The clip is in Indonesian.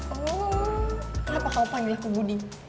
oh kenapa kamu panggil aku budi